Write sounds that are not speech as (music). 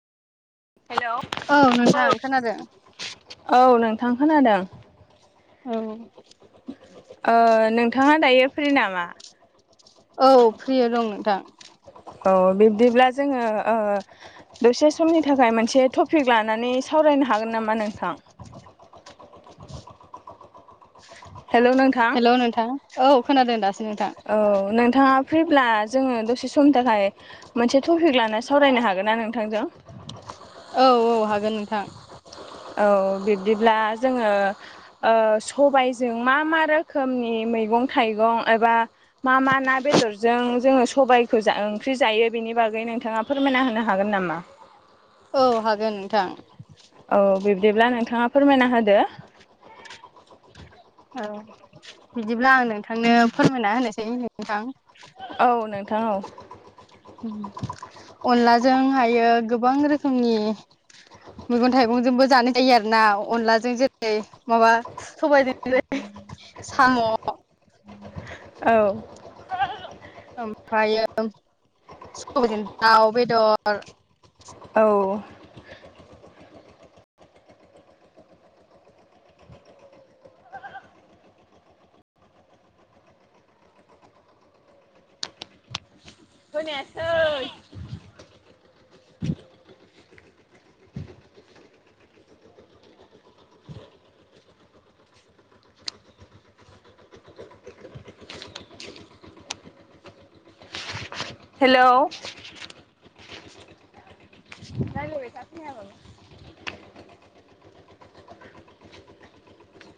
Hello औ नोंथां खोनादों, औ नोंथां खोनादों, औ ओ नोंथाङा दायो फ्रि नामा? औ फ्रियै दं नोंथां औ बिब्दिब्ला जोङो ओ दसे समनि थाखाय मोनसे टपिक लानानै सावरायनो हागोन नामा नोंथां? हेलौ नोंथां हेल' नोंथां औ खोनादों दासो नोंथां औ नोंथाङा फ्रिब्ला जोङो दसे समनि थाखाय मोनसे टपिक लाना सावरायनो हागोन ना नोंथांजों? औ औ हागोन नोंथां। औ बिब्दिब्ला जोङो ओ सबायजों मा मा रोखोमनि मैगं थाइगं एबा मा मा ना बेदरजों जोङो सबायखौ ओंख्रि जायो बेनि बागै नोंथाङा फोरमायना होनो हागोन नामा? औ हागोन नोंथां। औ बिब्दिब्ला नोंथाङा फोरमायना होदो औ बिदिब्ला आं नोंथांनो फोरमायना होनोसै नोंथां। औ नोंथां औ अनलाजों हायो गोबां रोखोमनि मैगं थाइगंजोंबो जानाय जायो आरो ना अनलाजों जेरै माबा सबायनो साम' औ ओमफ्रायो स'बायजों दाउ बेदर औ (unintelligible) हेल' (unintelligible)